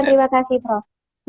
terima kasih prof